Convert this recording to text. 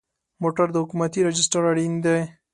موټر د حکومتي راجسټر اړین دی.